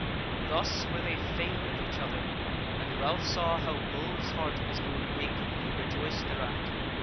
Thus were they fain of each other, and Ralph saw how Bull's heart was grown big, and he rejoiced thereat.